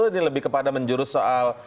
ini lebih kepada menjurus soal